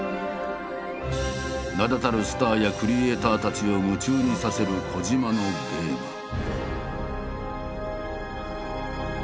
名だたるスターやクリエイターたちを夢中にさせる小島のゲーム。